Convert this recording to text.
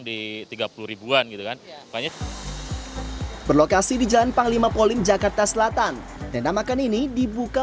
di tiga puluh ribuan gitu kan banyak berlokasi di jalan panglima polling jakarta selatan tenda makan ini dibuka